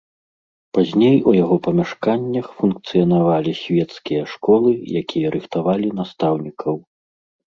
Пазней у яго памяшканнях функцыянавалі свецкія школы, якія рыхтавалі настаўнікаў.